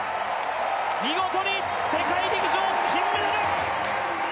見事に世界陸上金メダル！